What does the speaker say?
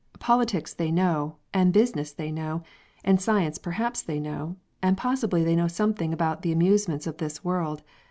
Politics they know, and business they know, and science perhaps they know, and possibly they know something about the amusements of this world.